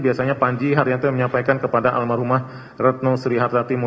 biasanya panji haryanto yang menyampaikan kepada almarhumah retno sri harta timur